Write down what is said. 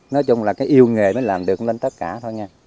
nói chung là cái yêu nghề mới làm được lên tất cả thôi nha